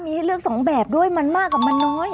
มีให้เลือกสองแบบด้วยมันมากกับมันน้อย